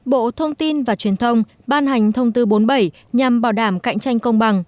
bộ thông tin và truyền thông ban hành thông tư bốn mươi bảy nhằm bảo đảm cạnh tranh công bằng